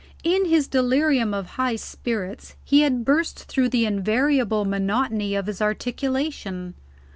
In his delirium of high spirits, he had burst through the invariable monotony of his articulation.